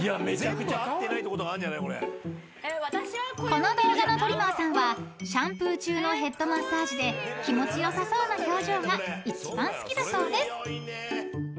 ［この動画のトリマーさんはシャンプー中のヘッドマッサージで気持ち良さそうな表情が一番好きだそうです］